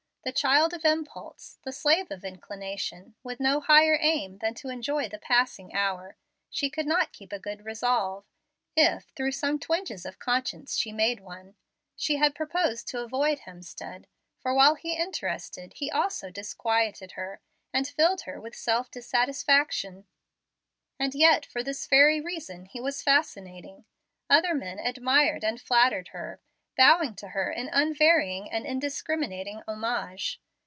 The child of impulse, the slave of inclination, with no higher aim than to enjoy the passing hour, she could not keep a good resolve, if through some twinges of conscience she made one. She had proposed to avoid Hemstead, for, while he interested, he also disquieted her and filled her with self dissatisfaction. And yet for this very reason he was fascinating. Other men admired and flattered her, bowing to her in unvarying and indiscriminating homage.